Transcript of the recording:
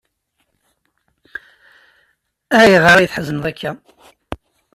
Ayɣer ay tḥezneḍ akka?